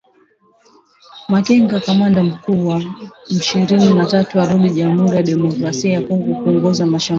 Makenga kamanda mkuu wa M ishirini na tatu amerudi Jamuhuri ya Demokrasia ya Kongo kuongoza mashambulizi